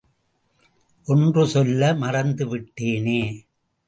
ஒன்று சொல்ல மறந்துவிட்டேனே!